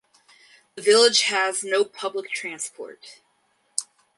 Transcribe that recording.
The village has no public transport.